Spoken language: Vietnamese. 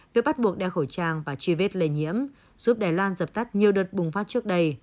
việc bắt buộc đeo khẩu trang và truy vết lây nhiễm giúp đài loan dập tắt nhiều đợt bùng phát trước đây